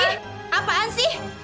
ih apaan sih